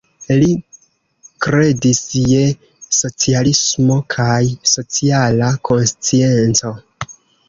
Li kredis je socialismo kaj sociala konscienco.